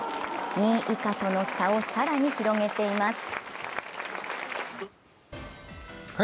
２位以下との差を更に広げています